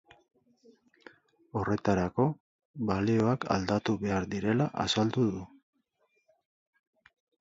Horretarako, balioak aldatu behar direla azaldu du.